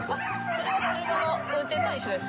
それは車の運転と一緒です